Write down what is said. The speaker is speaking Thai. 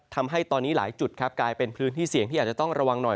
ทำให้ตอนนี้หลายจุดครับกลายเป็นพื้นที่เสี่ยงที่อาจจะต้องระวังหน่อย